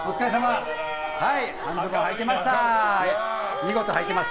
半ズボンはいてました。